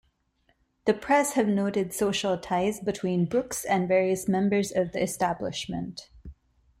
The press have noted social ties between Brooks and various members of the Establishment.